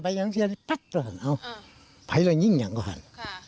ไปแล้วยิงอย่างก็หัน